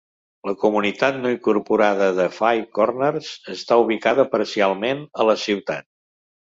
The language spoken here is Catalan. La comunitat no incorporada de Five Corners està ubicada parcialment a la ciutat.